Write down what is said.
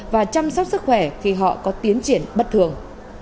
và chăm sóc sức khỏe khi họ có tiến triển bất thường